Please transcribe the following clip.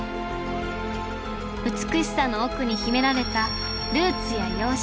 美しさの奥に秘められたルーツや様式。